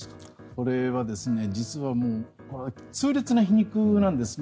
これは実は痛烈な皮肉なんですね。